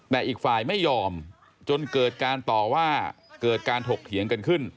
แต่อีกฝ่ายไม่ยอมจนเกิดการต่อว่าเกิดการถกเถียงกันขึ้น